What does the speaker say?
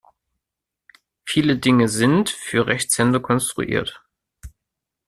Viele Dinge sind für Rechtshänder konstruiert.